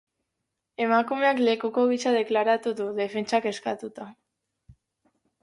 Emakumeak lekuko gisa deklaratu du, defentsak eskatuta.